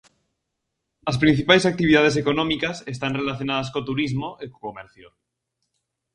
As principais actividades económicas están relacionadas co turismo e co comercio.